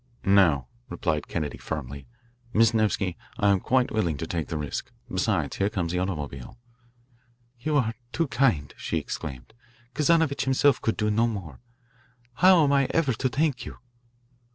"No," replied Kennedy firmly. "Miss Nevsky, I am quite willing to take the risk. Besides, here comes the automobile." "You are too kind," she exclaimed. "Kazanovitch himself could do no more. How am I ever to thank you?"